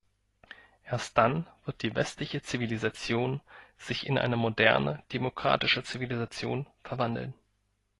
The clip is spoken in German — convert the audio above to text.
Erst dann wird die westliche Zivilisation sich in eine moderne demokratische Zivilisation verwandeln.